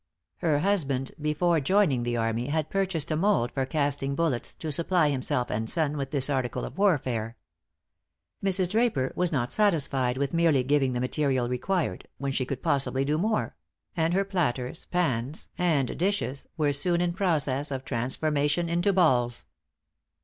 Her husband before joining the army had purchased a mould for casting bullets, to supply himself and son with this article of warfare. Mrs. Draper was not satisfied with merely giving the material required, when she could possibly do more; and her platters, pans, and dishes were soon in process of transformation into balls.